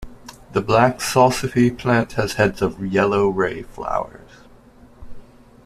The black salsify plant has heads of yellow ray flowers.